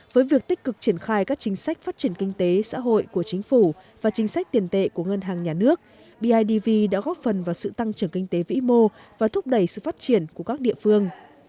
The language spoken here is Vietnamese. với việc tích cực triển khai các chính sách phát triển kinh tế xã hội của chính phủ và chính sách tiền tệ của ngân hàng nhà nước bidv đã góp phần vào sự tăng trưởng kinh tế vĩ mô và thúc đẩy sự phát triển của các địa phương